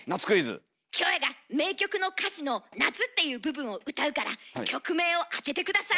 キョエが名曲の歌詞の「夏」っていう部分を歌うから曲名を当てて下さい。